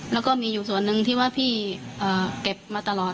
แล้วก็อยู่ส่วนนึงที่พี่เก็บมาตลอด